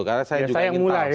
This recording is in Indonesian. karena saya juga ingin tahu